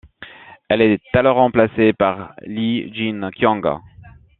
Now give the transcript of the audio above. Elle est alors remplacée par Lee Jin Kyung.